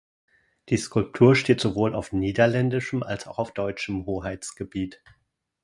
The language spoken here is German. Die Skulptur steht sowohl auf niederländischem als auch auf deutschem Hoheitsgebiet.